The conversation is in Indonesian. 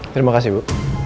terima kasih bu